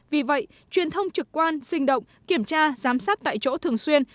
vì vậy truyền thông trực quan sinh động kiểm tra giám sát tại chỗ thường xuyên